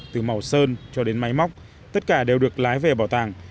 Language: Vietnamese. từ màu sơn cho đến máy móc tất cả đều được lái về bảo tàng